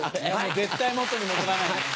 絶対元に戻らないね。